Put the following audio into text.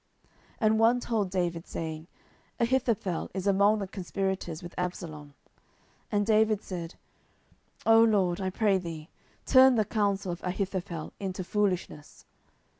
10:015:031 And one told David, saying, Ahithophel is among the conspirators with Absalom. And David said, O LORD, I pray thee, turn the counsel of Ahithophel into foolishness.